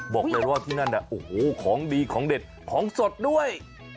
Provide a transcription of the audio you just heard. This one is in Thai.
บอกเลยว่าที่นั่นน่ะโอ้โหของดีของเด็ดของสดด้วย